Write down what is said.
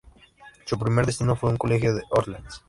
Su primer destino fue un colegio en Orleans.